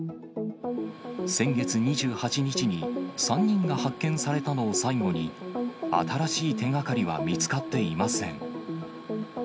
先月２８日に３人が発見されたのを最後に、新しい手がかりは見つかっていません。